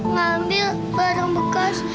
ngambil barang bekas